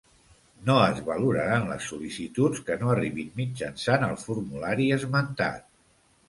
No es valoraran les sol·licituds que no arribin mitjançant el formulari esmentat.